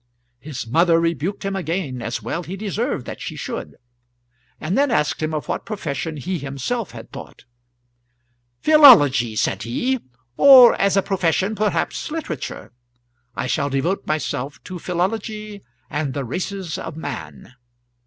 His mother rebuked him again, as well he deserved that she should, and then asked him of what profession he himself had thought. "Philology," said he; "or as a profession, perhaps literature. I shall devote myself to philology and the races of man.